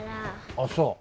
ああそう。